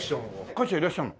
館長いらっしゃるの？